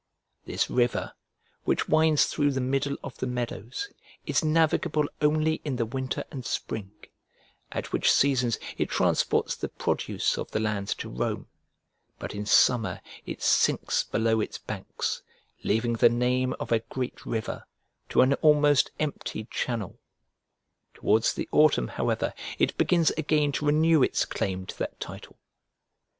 This river, which winds through the middle of the meadows, is navigable only in the winter and spring, at which seasons it transports the produce of the lands to Rome: but in summer it sinks below its banks, leaving the name of a great river to an almost empty channel: towards the autumn, however, it begins again to renew its claim to that title.